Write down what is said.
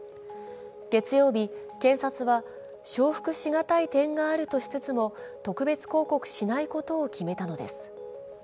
月曜日、検察は承服しがたい点があるとしつつも特別抗告しないことを決めたのです。